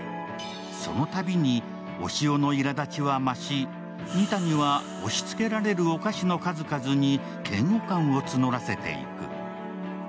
そのたびに押尾のいらだちは増し、二谷は押しつけられるお菓子の数々に嫌悪感を募らせていく。